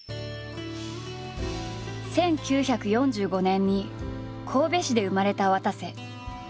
１９４５年に神戸市で生まれたわたせ。